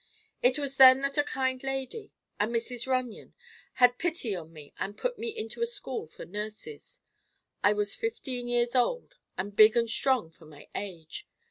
It was then that a kind lady, a Mrs. Runyon, had pity on me and put me into a school for nurses. I was fifteen years old and big and strong for my age.